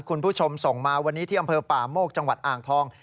คุณผู้ชมส่งมาวันนี้ที่อำเภอป่าโมกจังหวัดอ่างทอง